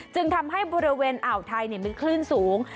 จึงทำให้บริเวณอ่าวไทยมีคลื่นสูง